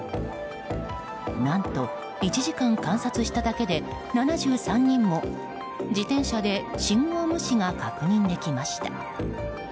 何と１時間観察しただけで７３人も自転車で信号無視が確認できました。